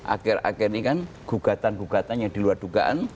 akhir akhir ini kan gugatan gugatan yang diluar dugaan